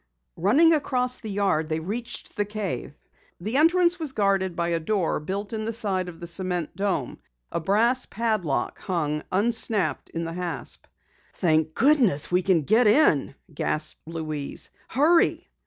Running across the yard, they reached the cave. Entrance was guarded by a door built in the side of the cement dome. A brass padlock hung unsnapped in the hasp. "Thank goodness, we can get in," gasped Louise. "Hurry!"